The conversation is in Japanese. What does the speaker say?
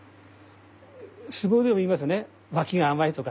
相撲でも言いますね「脇が甘い」とか。